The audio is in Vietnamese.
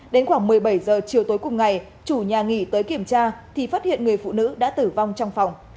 đến khoảng một mươi bảy h chiều tối cùng ngày chủ nhà nghỉ tới kiểm tra thì phát hiện người phụ nữ đã tử vong trong phòng